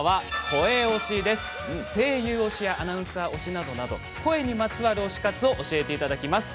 声優推しやアナウンサー推しなど声にまつわる推し活を教えてもらいます。